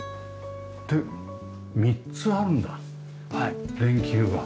で３つあるんだ電球が。